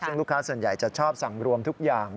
ซึ่งลูกค้าส่วนใหญ่จะชอบสั่งรวมทุกอย่าง